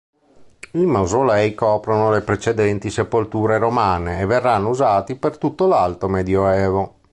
I mausolei coprono le precedenti sepolture romane e verranno usati per tutto l'alto medioevo.